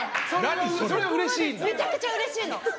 それがめちゃくちゃうれしいの。